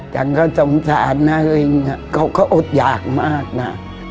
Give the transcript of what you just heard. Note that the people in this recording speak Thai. จังก็สงสารนะเองเขาก็อดหยากมากนะ